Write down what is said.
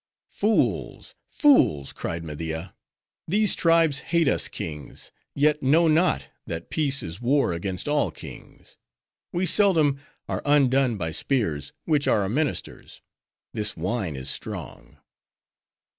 "Fools, fools!" cried Media, "these tribes hate us kings; yet know not, that Peace is War against all kings. We seldom are undone by spears, which are our ministers.—This wine is strong."